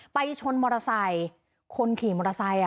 ชนมอเตอร์ไซค์คนขี่มอเตอร์ไซค์